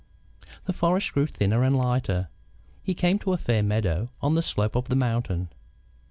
The forest grew thinner and lighter. He came to a fair meadow on the slope of the mountain.